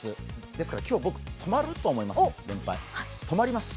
ですから、今日僕、連敗止まると思います、止まります。